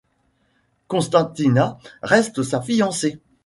Constantina reste sa fiancée.